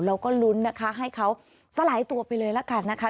เราก็ลุ้นนะคะให้เขาสลายตัวไปเลยละกันนะคะ